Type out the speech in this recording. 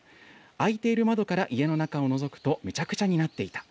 開いている窓から家の中をのぞくと、めちゃくちゃになっていた。